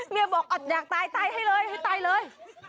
บอกอยากตายตายให้เลยให้ตายเลย